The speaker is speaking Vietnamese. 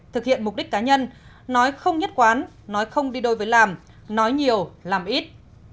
thực hiện mục đích cá nhân nói không nhất quán nói không đi đôi với làm nói nhiều làm ít